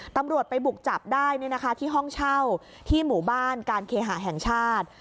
ตำรวจไปบุกจับได้ที่ห้องเช่าที่หมู่บ้านการเคหาแห่งชาติ